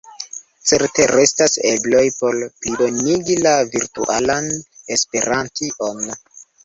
Certe restas ebloj por plibonigi la virtualan Esperantion.